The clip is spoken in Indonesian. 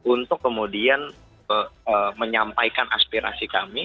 untuk kemudian menyampaikan aspirasi kami